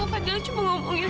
aku tadi sama kak fadil